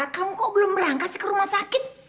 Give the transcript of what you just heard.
kamu kok belum berangkat sih ke rumah sakit